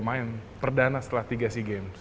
main perdana setelah tiga si game